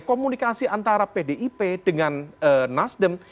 komunikasi antara pdip dengan nasdem